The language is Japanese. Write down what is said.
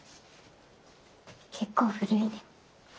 結構古いね。